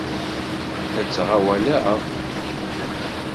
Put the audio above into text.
La ttɣawaleɣ?